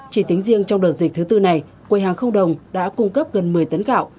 chỉ tính riêng trong đợt dịch thứ tư này quầy hàng không đồng đã cung cấp gần một mươi tấn gạo